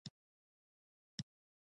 کتابچه سره زړونه روښانه کېږي